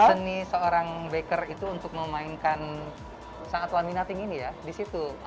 seni seorang baker itu untuk memainkan sangat waminating ini ya di situ